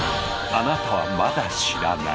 あなたはまだ知らない。